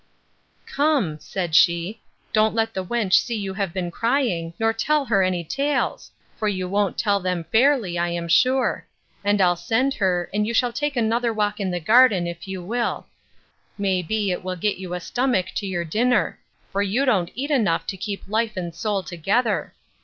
Come, said she, don't let the wench see you have been crying, nor tell her any tales: for you won't tell them fairly, I am sure: and I'll send her, and you shall take another walk in the garden, if you will: May be it will get you a stomach to your dinner: for you don't eat enough to keep life and soul together.